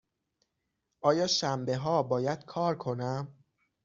آیا شنبه ها باید کار کنم؟